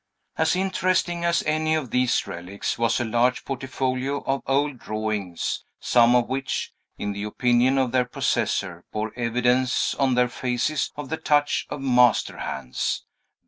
As interesting as any of these relics was a large portfolio of old drawings, some of which, in the opinion of their possessor, bore evidence on their faces of the touch of master hands.